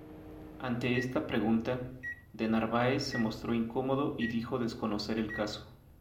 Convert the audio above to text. Ante esta pregunta, De Narváez se mostró incómodo y dijo desconocer el caso.